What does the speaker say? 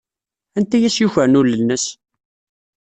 Anta ay as-yukren ul-nnes?